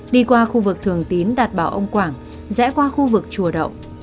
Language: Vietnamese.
đi qua khu vực thường tín đạt bảo ông quảng rẽ qua khu vực chùa đậu